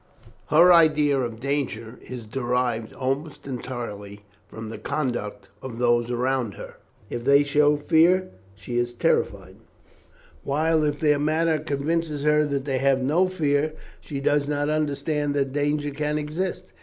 Her idea of danger is derived almost entirely from the conduct of those around her. If they show fear, she is terrified; while if their manner convinces her that they have no fear, she does not understand that danger can exist.